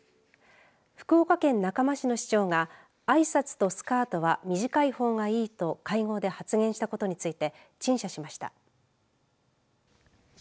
福岡県中間市の市長があいさつとスカートは短いほうがいいと会合で発言したことについて陳謝しました。